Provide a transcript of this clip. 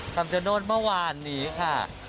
คำชโนธเมื่อวานนี้ค่ะ